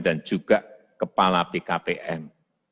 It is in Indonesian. dan juga kepala pkpm